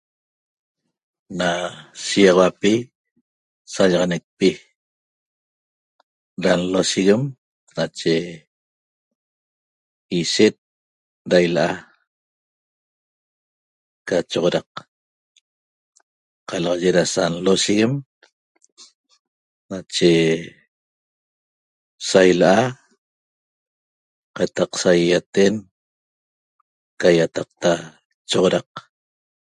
Na shigaxauapi sallaxanecpi ra nlosheguem nache ishet ra ila'a ca choxoraq qalaxaye ra sa nlosheguem nache saila'a qataq sayaten ca iataqta choxoraq